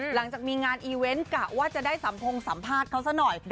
หลังจากมีงานอีเวนต์กะว่าจะได้สัมพงสัมภาษณ์เขาซะหน่อย